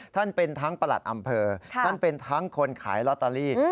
ทั้งเป็นทั้งประหลัดอำเภอท่านเป็นทั้งคนขายลอตเตอรี่